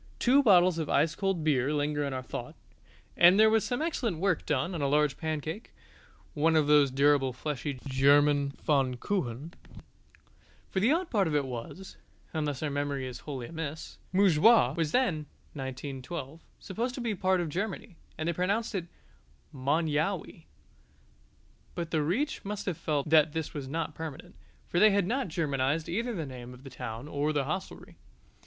Two bottles of ice cold beer linger in our thought: and there was some excellent work done on a large pancake, one of those durable fleshy German Pfannkuchen. For the odd part of it was (unless our memory is wholly amiss) Montjoie was then (1912) supposed to be part of Germany, and they pronounced it Mon yowey. But the Reich must have felt that this was not permanent, for they had not Germanized either the name of the town or of the hostelry.